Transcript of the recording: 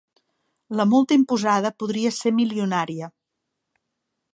La multa imposada podria ser milionària